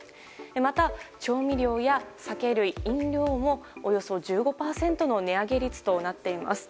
また、調味料や酒類・飲料もおよそ１５％の値上げ率となっています。